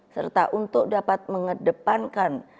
serta untuk dapat mengedepankan